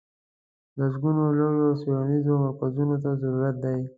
لسګونو لویو څېړنیزو مرکزونو ته ضرورت دی.